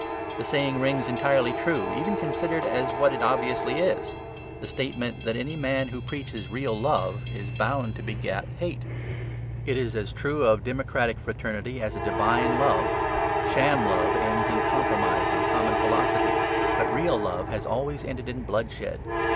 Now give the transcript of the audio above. The saying rings entirely true even considered as what it obviously is; the statement that any man who preaches real love is bound to beget hate. It is as true of democratic fraternity as a divine love; sham love ends in compromise and common philosophy; but real love has always ended in bloodshed.